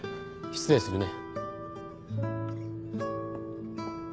失礼するね。